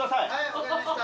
分かりました。